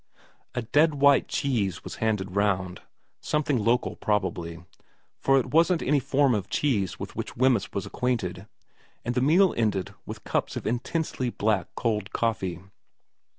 A dead white cheese was handed round, something local probably, for it wasn't any form of cheese with which Wemyss was acquainted, and the meal ended with cups of intensely black cold coffee.